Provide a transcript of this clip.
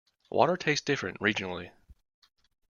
Water tastes different regionally.